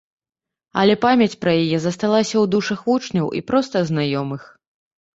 Але памяць пра яе засталася ў душах вучняў і проста знаёмых.